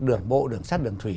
đường bộ đường sắt đường thủy